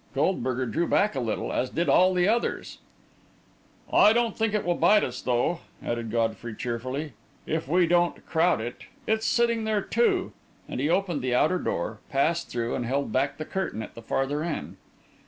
Goldberger drew back a little, as did all the others. "I don't think it will bite us, though," added Godfrey, cheerfully, "if we don't crowd it. It's sitting there, too," and he opened the outer door, passed through, and held back the curtain at the farther end.